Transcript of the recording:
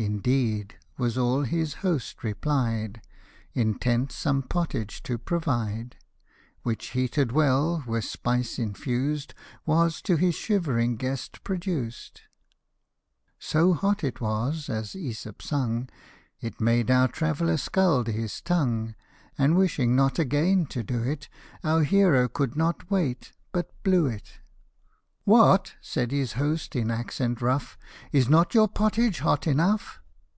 " Indeed !" was all his host replied, Intent some pottage to provide, Which heated well, with spice infused, Was to his shivering guest produced : P 37 The Traveller X tke Satyr. The Tr a ve LI e i s X the Pn T s <> 39 So hot it was, as .ZEsop sung, It made our traveller scald his tongue ; And wishing not again to do it, Our hero could not wait, but blew it. " What !" said his host in accent rough, " Is not your pottage hot enough